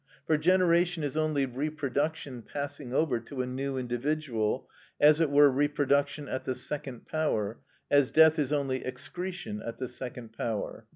For generation is only reproduction passing over to a new individual, as it were reproduction at the second power, as death is only excretion at the second power.